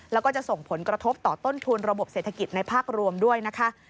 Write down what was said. แล้วก็จะส่งผลกระทบต่อต้นทุนระบบเศรษฐกิจในภาครวมด้วยนะคะ